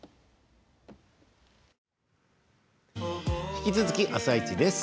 引き続き「あさイチ」です。